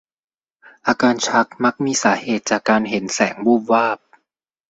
อาการชักมักมีสาเหตุจากการเห็นแสงวูบวาบ